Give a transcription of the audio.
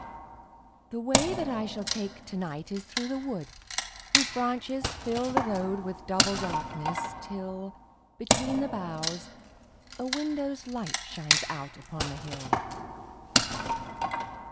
The way that I shall take to night Is through the wood whose branches fill The road with double darkness, till, Between the boughs, a window's light Shines out upon the hill.